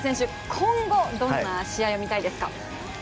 今後どんな試合が見たいですか。